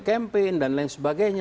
kempen dan lain sebagainya